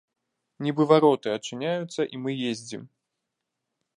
Нібы вароты адчыняюцца і мы ездзім!